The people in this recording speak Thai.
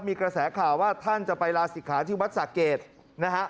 มีกระแสข่าวว่าท่านจะไปลาศิกขาที่วัดสะเกดนะฮะ